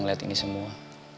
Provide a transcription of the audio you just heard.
ngeliat ini semua